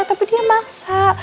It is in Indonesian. tapi dia maksa